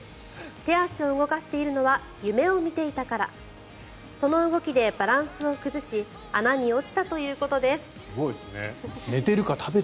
手足を動かしているのは夢を見ていたからその動きでバランスを崩し穴に落ちたということです。